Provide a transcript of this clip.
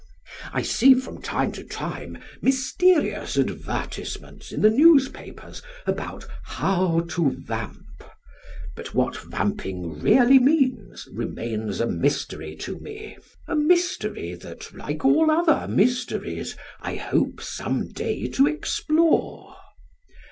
I see, from time to time, mysterious advertisements in the newspapers about "How to Vamp," but what vamping really means remains a mystery to me a mystery that, like all other mysteries, I hope some day to explore.